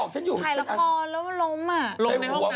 ถ่ายละครแล้วล้มอะ